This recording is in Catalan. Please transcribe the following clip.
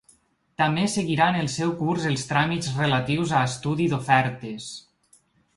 També seguiran el seu curs els tràmits relatius a estudi d’ofertes.